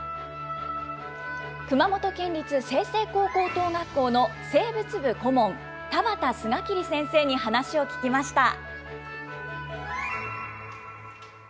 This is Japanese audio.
熊本県立済々黌高等学校の生物部顧問、田畑清霧先生に話を聞きました。